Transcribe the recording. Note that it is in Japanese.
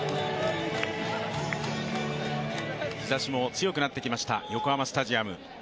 日ざしも強くなってきました横浜スタジアム。